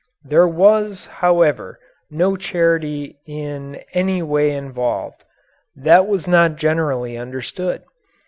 There was, however, no charity in any way involved. That was not generally understood.